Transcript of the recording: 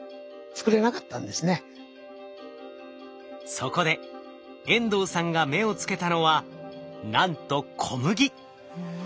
そこで遠藤さんが目をつけたのはなんとうん。